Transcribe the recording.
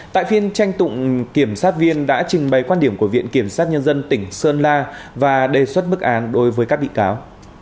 tại phiên tranh tụng kiểm sát viên đã trình bày quan điểm của viện kiểm sát nhân dân tỉnh sơn la và đề xuất bức án đối với các bị cáo